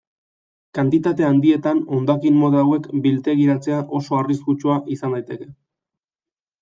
Kantitate handietan hondakin mota hauek biltegiratzea oso arriskutsua izan daiteke.